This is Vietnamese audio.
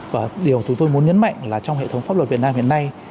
và điều chúng tôi muốn nhấn mạnh là trong hệ thống pháp luật việt nam hiện nay